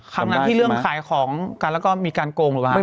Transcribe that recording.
ครั้งนั้นที่เรื่องขายของกันแล้วก็มีการโกงหรือเปล่า